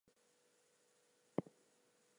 You really have not been paying attention.